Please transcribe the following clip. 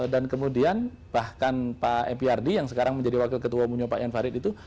dan kemudian bahkan pak mprd yang sekarang menjadi wakil ketua umumnya pak ian farid itu